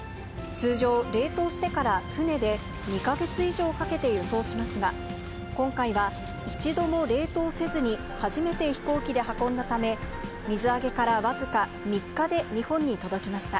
通常、冷凍してから船で２か月以上かけて輸送しますが、今回は一度も冷凍せずに初めて飛行機で運んだため、水揚げからわずか３日で日本に届きました。